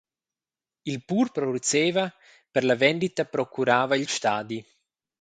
Il pur produceva, per la vendita procurava il stadi.